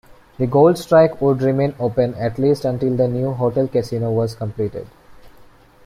The Gold Strike would remain open, at least until the new hotel-casino was completed.